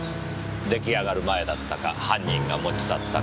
出来上がる前だったか犯人が持ち去ったか。